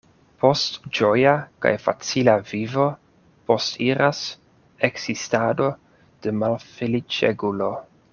Post ĝoja kaj facila vivo postiras ekzistado de malfeliĉegulo.